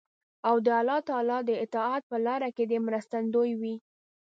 او د الله تعالی د اطاعت په لار کې دې مرستندوی وي.